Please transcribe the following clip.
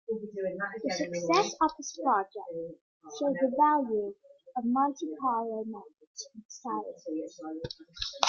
The success of this project showed the value of Monte Carlo methods in science.